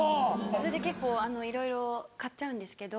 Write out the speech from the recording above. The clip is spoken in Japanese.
それで結構いろいろ買っちゃうんですけど。